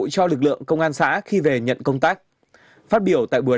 đa dạng công nghiệp thức ăn trăn nuôi